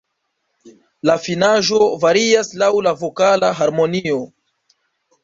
La finaĵo varias laŭ la vokala harmonio.